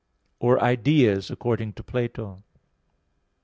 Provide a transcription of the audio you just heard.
ii)], or ideas, according to Plato.